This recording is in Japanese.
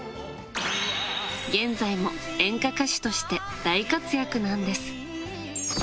現在も演歌歌手として大活躍なんです。